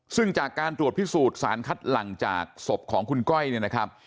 ซึ่งจากการตรวจพิสูจน์สารคัดหลังจากศพของคุณก้อยเนี่ยนะครับ